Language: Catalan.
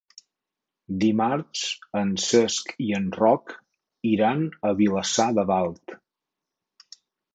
Dimarts en Cesc i en Roc iran a Vilassar de Dalt.